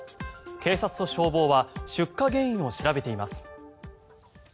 警察と消防は出火原因を調べています。